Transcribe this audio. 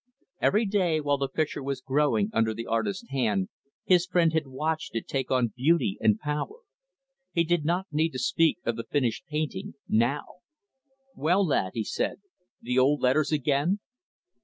Every day, while the picture was growing under the artist's hand, his friend had watched it take on beauty and power. He did not need to speak of the finished painting, now. "Well, lad," he said, "the old letters again?"